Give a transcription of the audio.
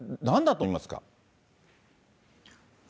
なんだと思いますか。